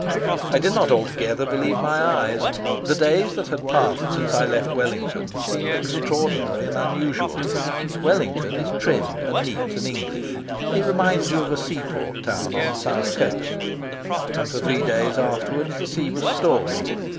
I did not altogether believe my eyes. The days that had passed since I left Wellington seemed extraordinary and unusual. Wellington is trim and neat and English; it reminds you of a seaport town on the South Coast. And for three days afterwards the sea was stormy.